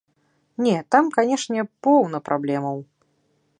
Не, там, канешне, поўна праблемаў.